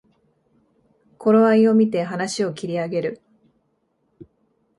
頃合いをみて話を切り上げる